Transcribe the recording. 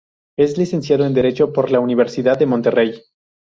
Es Licenciado en Derecho por la Universidad de Monterrey.